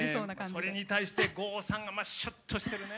それに対して郷さんがしゅっとしてるね。